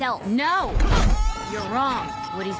お。